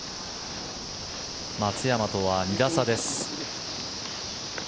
松山とは２打差です。